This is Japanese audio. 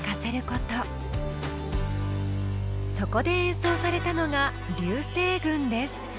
そこで演奏されたのが「龍星群」です。